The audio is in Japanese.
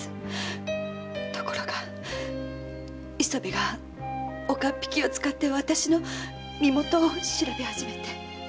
ところが磯部が岡っ引きを使って私の身もとを調べ始めて。